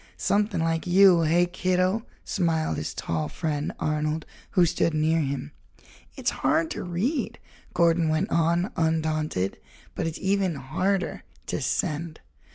"Something like you, hey, kiddo?" smiled his tall friend, Arnold, who stood near him. "It's hard to read," Gordon went on, undaunted, "but it's even harder to send.